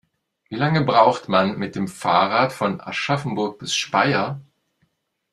Wie lange braucht man mit dem Fahrrad von Aschaffenburg bis Speyer?